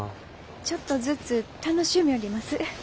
ちょっとずつ楽しみょうります。